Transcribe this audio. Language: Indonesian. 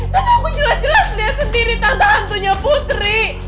tapi aku jelas jelas liat sendiri tante antunya putri